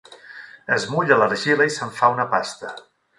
Es mulla l'argila i se'n fa una pasta.